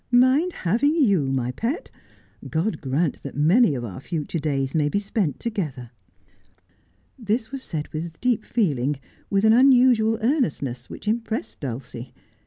Mind having you, my pet ! God grant that many of our future days may be spent together.' This was said with deep feeling, with an unusual earnest ness, which impressed Dulcie.